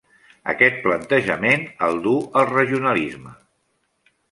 Aquest plantejament el du al regionalisme.